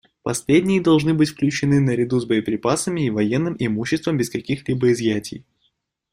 Последние должны быть включены наряду с боеприпасами и военным имуществом без каких-либо изъятий.